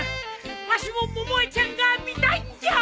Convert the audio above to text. わしも百恵ちゃんが見たいんじゃ。